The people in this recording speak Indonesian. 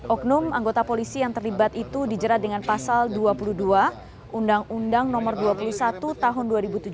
oknum anggota polisi yang terlibat itu dijerat dengan pasal dua puluh dua undang undang no dua puluh satu tahun dua ribu tujuh belas